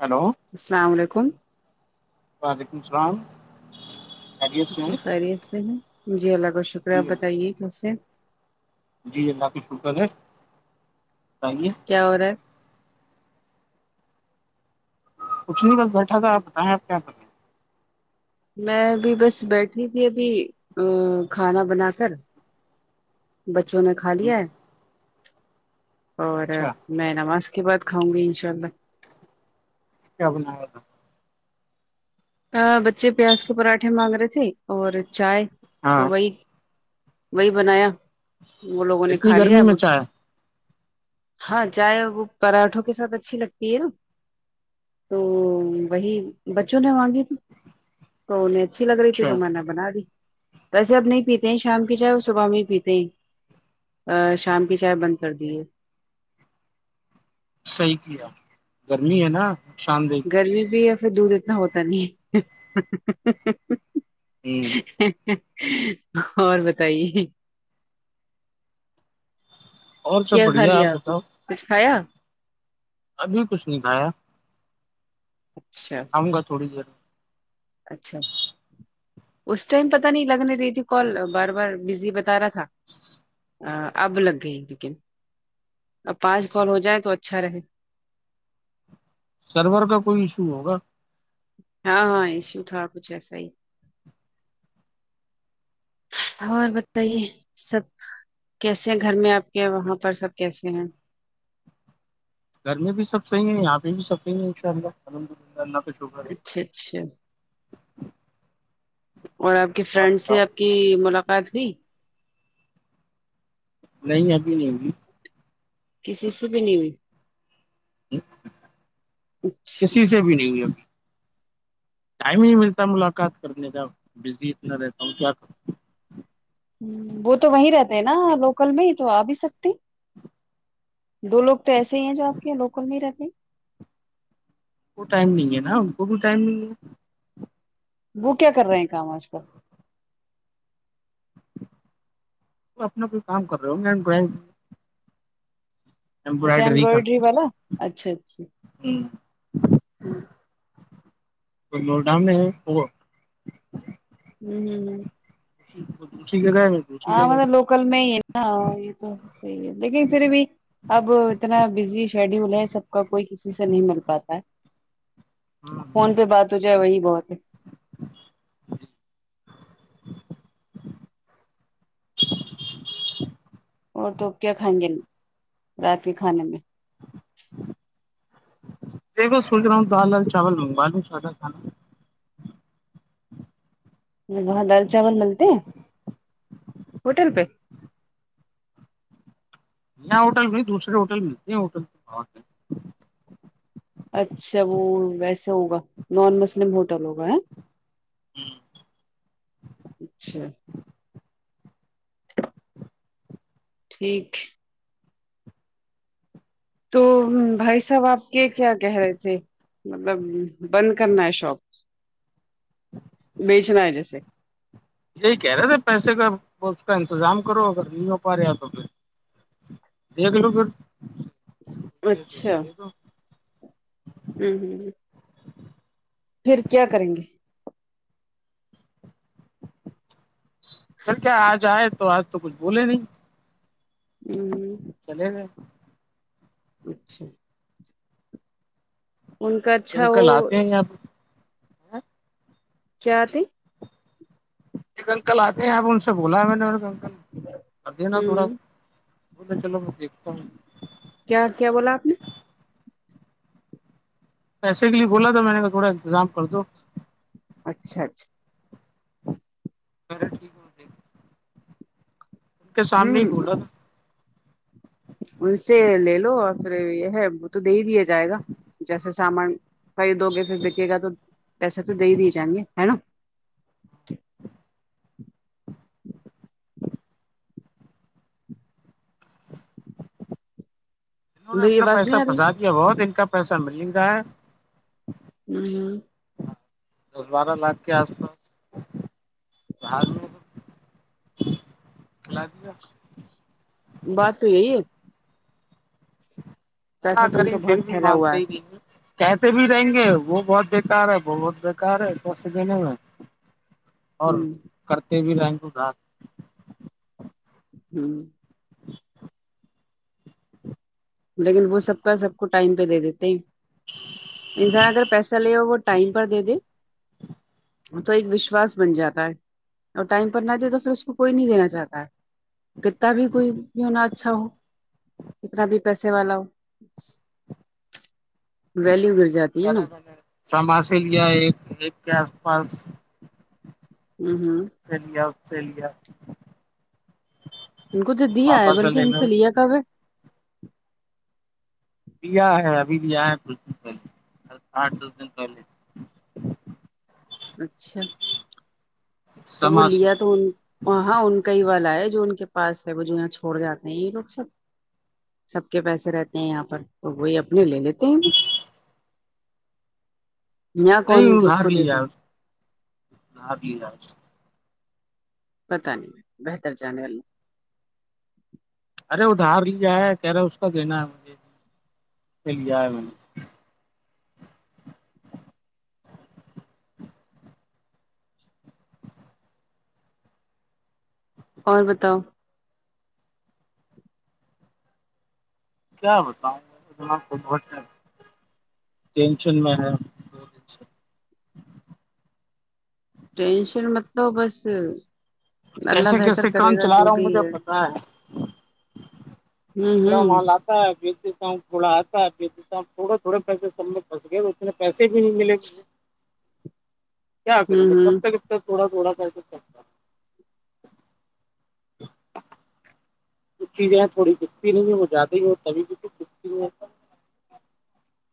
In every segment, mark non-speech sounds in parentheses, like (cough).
hello (unintelligible) وعلیکم السلام خیریت سے اچی ہیں خیریت سے ہے جی اللہ کا بہ شکریہ جی آپ بتائیے کیسے جی اللہ کاظ شکر ہے بتائیے کیا ہو رہا ہے کچھ نہیں بس بیٹھا تھا آ بتائیں آپ کیا پت میں ابھی بس بیٹھی تھی ابھی ا کھانا بنا کر بچوں نے کھا جی، لیا ہے اور اچھا میں نماز کے بعد کھاؤں گی انشاء اللہ بناا بچے پیاز کے پراٹھے مانگ رہے تھے اور چائے تو ہاں وہی وہی بنایا وہ لوگوں نے اتنی کھا لیا گرمی ا میں چائے ہاں چائے وہ پراٹھوں کے ساتھ اچھی لگتی ہے نا تو وہی بچوں نے مانگی تو انہیں اچھی لگ رہی تھی تو اچھا میں نے بنا دی ویسے اب نہیں پیتے ہیں شام کی چاہے وہ صبح میں ہی پیتے ہیں ا شام کی چائے بند کر دی ہے صحیح کیا گرمی ہے نا ن شان دہ گرمی بھی یا پھر دودھ اتنا ہوتا نہیں ہے جی اور بتائیے اور سب کیا کھا بڑھیا لیا آپ نے بتاؤ کچھ کھایا ابھی کچھ نہیں کھایا اچھا آؤ گا تھوڑی دیر اچھا اچھا اس ٹائم پت نہیں لگنے رہی تھی کال بار بار بزی بتا رہا تھا اب لگ گئی لیکن اب پانچ کال ہو جائےیں تو اچھا رہے سرور کا کوئی ایشو ہوگا ہاں ہاں ایشو تھا کچھ ایسا ہی اور بتائیے سب کیسے گھر میں آپ کے وہاں پر سب کیسے ہیں گھر میں بھی سب صحیح ہے یہاں پہ بھی صح ہے ان شاء اللہ الحمد للہ اللہ ک اچھا اچھا اور آپ کی فرینڈ سے آپ کی ملاقات ہوئی نہیں ابھی نہیں ہوی کسی سے بھی نہیں ہو اچھا کسی سے بھی نہیں اب ٹائم ہی ملتا ملاقات کرنے کا بزی اتنا رہتا ہوں کیا ہ وہ تو وہیں رہتے ہیں نا لوکل میں ہی تو آ بھی سکتی (inaudible) دو لوگ تو ایسے ہی ہیں جو آپ کے یہاں لوکل نہیں رہتے کو ٹائم نہیں ہے نا ان کو بھی ٹائم نہیں ہے وہ کیا کر رہے ہیں کام آج کل اپنا کوئی کام کر رہے ہو ڈرائ اچھا امبرائڈری کا ایمبرائڈری والا اچھا اچھا (inaudible) ہوں لوک ڈاؤن میں ہوا (inaudible) ٹھیک ہے گ ہاں مطلب لوکل میں ہی ہے نا یہ تو صحیح ہے لیکن پھر بھی اب اتنا بزی شیڈیول ہے سب کا کوئی کسی سے نہیں مل پاتا ہے میں فون پہ بات ہو جائے وہی بہت ہے اور توپ کیا کھائیں گے رات کے کھانے میں دیکھو سوچ رہا ہوں دال دال چاول منگوالوں سادہ کھانا وہاں دال چاول ملتے ہیں ہوٹل پہ یہاں ہوٹل میں دوسرے ہوٹل میں ہوٹل اچھا وہ ویسے ہوگا نان مسلم ہوٹل ہوگا ہے ہیں، (inaudible) ٹھیک تو بھائی صاحب آپ کے کیا کہہ رہے تھے مطلب بند کرنا ہے شاپ بیچنا ہے جیسے یہی کہہ رہے تھے پیسے کا اس کا انتظام کرو اگر نہیں ہو پا رہا تو پھر ایک لوٹ اچھا ہوں ہ پھر کیا کریں گے پھر کیا آج آئے تو آج تو کچھ بولے نہیں ہوں چلے گئے اچھا ان کا اچھا وہ آپ خیا ت ایکک انکل آتے ہیں آپ ان سے بولا میں نے اور اکل کر دینا ہ تھوڑا بولے چلو میں دیکھتا ہوں کیا کیا بولا آپ نے پیسے کے لیے کولا تھا میں نے کا تھوڑا انتظام کر دو اچھا اچھا پیر ٹھیک ہے ان کے سامنے ہی ہوں بولا تھا ان سے لے لو اور پھر یہ ہے وہ تو دے ہی دیا جائے گا جیسے سامان خ دو گے پھر بکے گا تو ویسے تو دے ہی نہیں جائیں گے ہے نا انہوں نے میری اپنا آواز پیسہ نہیں آ رہی پھنسا دیا بہت د کا پیسہ مل رہا ہے ہوں ہ ہ دس بارہ لاکھ کے آس پاس بال میں کلا دیا بات تو یہی ہے ن نہ پیسہ تو ان کری کا پھر بہت بھی پھیلا ہوا مانتے ہی نہیں (unintelligible) کہتے بھی رہیں گے وہ بہت بیکار ہے وہ بہت بیکار ہےس د نہیں میں اور ہے ہ کرتے بھی رینک ڈ ہوں (unintelligible) (unintelligible) (inaudible) لیکن وہ سب کا سب کو ٹائم پہ دے دیتے ہیں ماں اگر پیسہ لے ہو وہ ٹائم پر دے دے تو ایک وشواس بن جاتا ہے اور ٹائم پر نہ د تو پھر اس کوئی نہیںینا چاہتا ہے کتنا بھی کوئی کیوں نہ اچھا ہو کتنا بھی پیسے والا ہو ویلیو گر جاتی ہے نا سما سے لیا ایک ایک کے آس پاس ہوں ہوں آسٹریلیا آسٹریلیا ان کو تو دیا ہے بلکہ ان سے لیا کب ہے اب آ ہے ابھی بھی آیا ہے کچھ دن پہلے آٹھ دس دن پہلے اچھا تو وہ سما سے لیا تو وہ ہاں ان کا ہی والا ہے جو ان کے پاس ہے وہ جو یہاں چھوڑ جاتے ہیں یہ لوگ سب سب کے پیسے رہتے ہیں یہاں پر تو وہی اپنے لے لیتے ہیں کون کس کو دیتے ہیں ل بھی جا پتا نہیں بہتر جانے والی ارے ادھار لیا ہے کہہ رہے اس کا کہناا ہے مجھے چ لیا ہے میں نے اور بتاؤ کیا بتاؤںنا ٹینشن میں ہے دو دن سے ٹینشن مطلب بس اللہ بہتر کرے گا جو بھی ہے ہاں ہوں پورا ہوں محال آ (unintelligible) بیچتےتا ہوں تھوڑا آتا بیچتا تھوڑے تھوڑے پیسے سب میں پھس گئے تو اتنے پیسے بھی نہیں ملے گ (unintelligible) (inaudible) (inaudible) کیا کروں ہوں کب ہوں تک کب تک تھوڑا تھوڑا کرب ک چیزیں تھوڑی دکھتی نہیں ہے وہ جاتد ہی اور تھی بھی ک دکھتی ہے (unintelligible)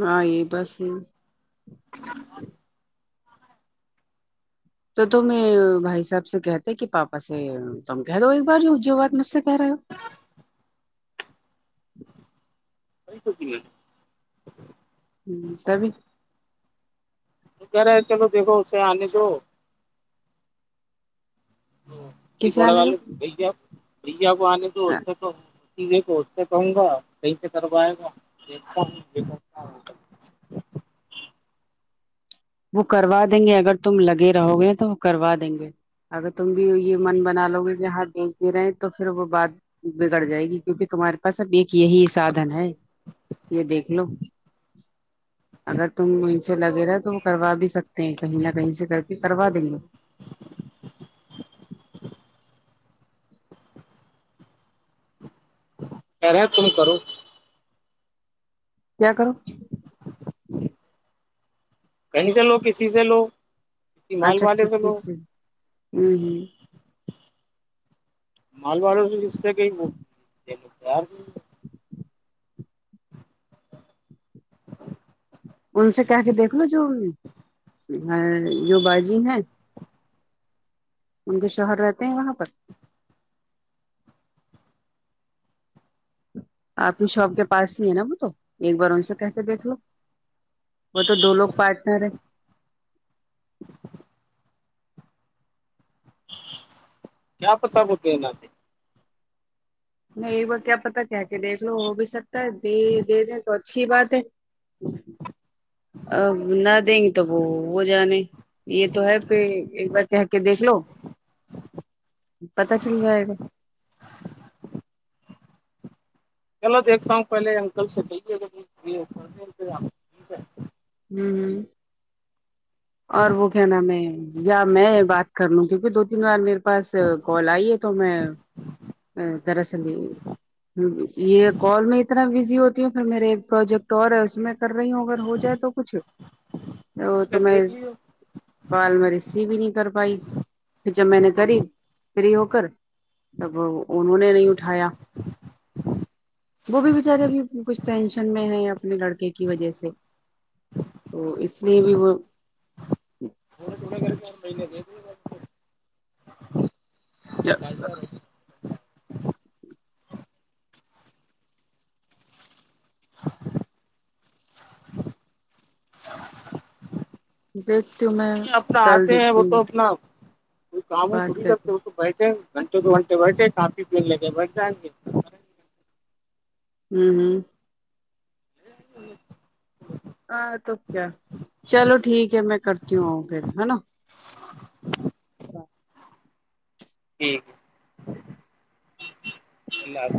ہاں یہ بس ہے (inaudible) (inaudible) تو تو میں بھائی صاحب سے کہتے کہ پاپا سے تم کہہ دو ایک بار جو جو وات مس سے کہہ رہ ہو کئی سکیے (unintelligible) ہ تبھی کہ رہے چلو دیکھو اسے آنے دو کسے گوڑا آنے والے دو بھیجے آپ (unintelligible) بھیا کو آنے تو کو سے کہوں گا کہیں سے کروائے گا فن کیا ہو (unintelligible) وہ کروا دیں گے اگر تم لگے رہو گے تو وہ کروا دیں گے اگر تم بھی یہ من بنا لو گے کہ ہاتھ بیچ دے رہے ہیں تو پھر وہ بات بگڑ جائے گی کیونکہ تمہارے پاس اب ایک یہی سادھن ہے یہ دیکھ لو اگر تم ان سے لگے رہا تو کروا بھی سکتے ہیں کہیں نہ کہیں سے کر کے کروا دیں گے خ رہا تم کرو کیا کرو کہیں سے لو کسی سے لو کسی مال والادے سے لو ہوں ہوں مالواڑوں سے اس سے کہ م ج ان سے کہ کے دیکھ لو جو جو بجی ہیں ان کے شوہر رہتے ہیں وہاں پر آپنی شاپ کے پاس ہی ہے نا وہ تو ایک بار ان سے کہ کے دیکھ لو وہ تو دو لوگ پارٹنر ہے کیا پتا بتے ن نہیں ایک بار کیا پتا کہ کے دیکھ لو ہو بھی سکتا ہے دے دے دیں تو اچھی بات ہے ا نہ دیں گی تو وہ وہ جانے یہ تو ہے پ ایک بار کہ کے دیکھ لو پتا چل جائے گا چلو دیکھتا ہوں پہلے انکل سے کہے ہے ہوں ہ اور وہ کیا نام میں یا میں بات کر لوں کیونکہ دو تین بار میرے بس کال آئی ہے تو میں دراصل یہ ہ یہ کال میں اتنا بزی ہوتا تی ہ پھر میرے ایک پروجیکٹ اور ہے اس میں کر رہی ہوں اگر ہو جائے تو کچھ کر تو تو کے میں دیکھ لیو کال میں ریسیو ہی نہیں کر پائی پھر جب میں نے کری فری ہو کر تب انہوں نے نہیں اٹھایا وہ بھی بچارے ابھی کچھ ٹینشن میں ہے اپنے لڑکے کی وجہ سے تو اس لیے بھی وہ ب گ یس دیں دیکھتی ہوں وہ میں تو اپنا کل آتے ہیں دیکھتی وہ تو ہوں اپنا کاموں بات پوری کر کے کرتے ہوتے بیٹھے گھنٹے دو گھنٹے بیٹھے کافی پل لگے بیٹھ جائیں گے ہوں ہوں ہاں تو کیا چلو ٹھیک ہے میں کرتی ہ ہوں پھر ہے نا ہ ٹھیک ال